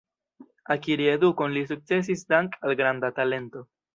Akiri edukon li sukcesis dank al granda talento.